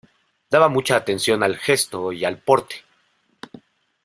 Daba mucha atención al gesto y al porte.